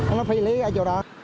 nó phi lý ở chỗ đó